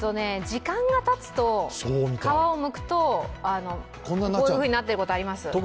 時間がたつと皮をむくとこういうふうになってることがあります。